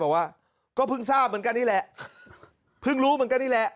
บอกว่าก็เพิ่งทราบเหมือนกันนี่แหละเพิ่งรู้เหมือนกันนี่แหละ